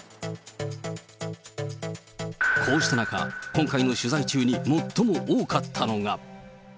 こうした中、今回の取材中に最も多かったのが。